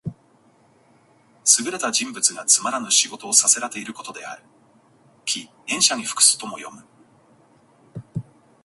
優れた人物がつまらぬ仕事をさせらていることである。「驥、塩車に服す」とも読む。